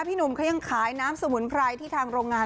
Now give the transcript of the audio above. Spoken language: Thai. พี่หนุ่มเขายังขายน้ำสมุนไพรที่ทางโรงงาน